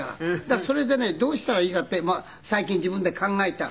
だからそれでねどうしたらいいかって最近自分で考えたのはね